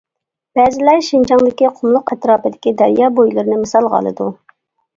بەزىلەر شىنجاڭدىكى قۇملۇق ئەتراپىدىكى دەريا بويلىرىنى مىسالغا ئالىدۇ.